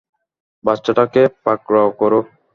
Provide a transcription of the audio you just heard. বাচ্চাটাকে পাকড়াও করো!